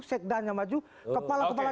sekdanya maju kepala kepala